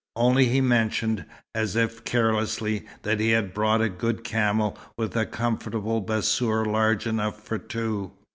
Only he mentioned, as if carelessly, that he had brought a good camel with a comfortable bassour large enough for two.